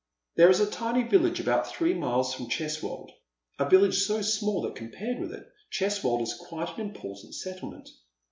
There is a tiny village about three miles from Cheswold — a village so small that compared with it Cheswold is quite an important settlement.